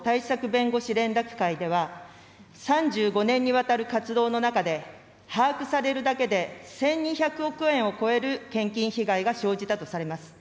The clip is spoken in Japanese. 弁護士連絡会では、３５年にわたる活動の中で把握されるだけで、１２００億円を超える献金被害が生じたとされます。